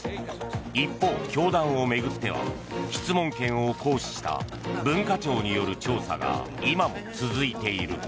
一方、教団を巡っては質問権を行使した文化庁による調査が今も続いている。